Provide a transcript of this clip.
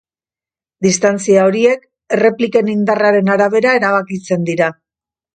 Distantzia horiek errepliken indarraren arabera erabakitzen dira.